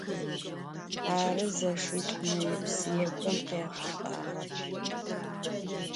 Arı zeşşit'u ney - psıêxem khyaxhulh'ağer.